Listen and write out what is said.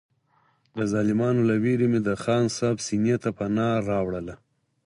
د ظالمانو له وېرې مې د خان صاحب سینې ته پناه راوړله.